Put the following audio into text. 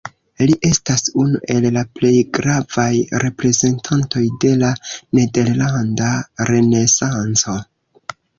Li estas unu el la plej gravaj reprezentantoj de la nederlanda renesanco.